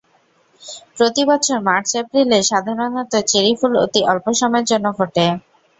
প্রতি বছর মার্চ-এপ্রিলে সাধারণত চেরি ফুল অতি অল্প সময়ের জন্য ফোটে।